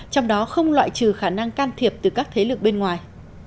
trong đó không loại trừ khả năng can thiệp từ các thế lực bên ngoài